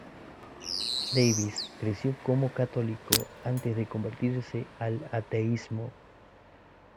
Davis creció como católico antes de convertirse al ateísmo.